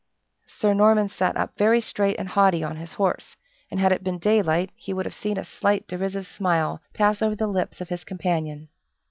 Sir Norman sat up very straight and haughty on his horse; and had it been daylight, he would have seen a slight derisive smile pass over the lips of his companion.